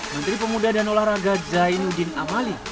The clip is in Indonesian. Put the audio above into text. menteri pemuda dan olahraga zainuddin amali